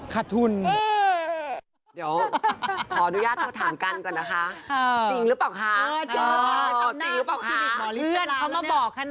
ขะทุนขะทุน